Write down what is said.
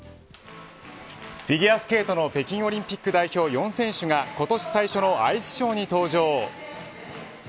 フィギュアスケートの北京オリンピック代表４選手が今年最初のアイスショーに登場。